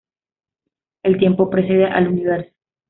El tiempo precede al universo.